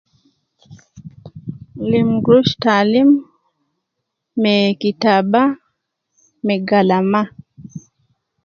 Lim gurush ta alim, me kitaba, me galama